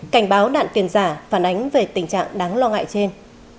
cảnh báo đạn tiền giả phản ánh về tình trạng đáng lo ngại trên